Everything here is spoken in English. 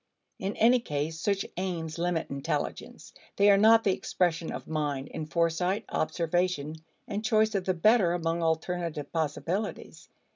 In any case such "aims" limit intelligence; they are not the expression of mind in foresight, observation, and choice of the better among alternative possibilities.